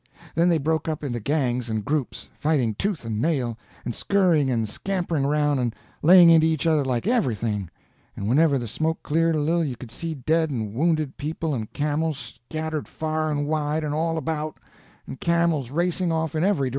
Then they broke up into gangs and groups, fighting tooth and nail, and scurrying and scampering around, and laying into each other like everything; and whenever the smoke cleared a little you could see dead and wounded people and camels scattered far and wide and all about, and camels racing off in every direction.